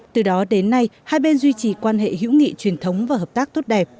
từ đó đến nay hai bên duy trì quan hệ hữu nghị truyền thống và hợp tác tốt đẹp